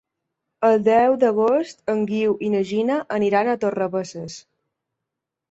El deu d'agost en Guiu i na Gina aniran a Torrebesses.